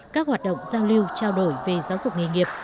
các hoạt động giao lưu trao đổi về giáo dục nghề nghiệp